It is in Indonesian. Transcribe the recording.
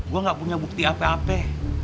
gue gak punya bukti apa apa